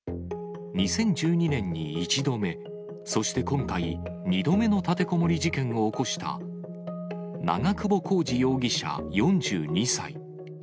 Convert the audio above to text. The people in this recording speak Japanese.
２０１２年に１度目、そして今回、２度目の立てこもり事件を起こした長久保浩二容疑者４２歳。